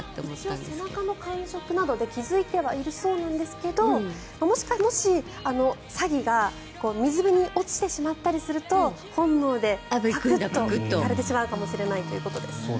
一応、背中の感触などで気付いてはいるそうなんですがもし、サギが水辺に落ちてしまったりすると本能でパクッと食べてしまうかもしれないということです。